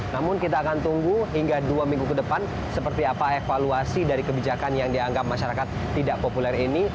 namun kita akan tunggu hingga dua minggu ke depan seperti apa evaluasi dari kebijakan yang dianggap masyarakat tidak populer ini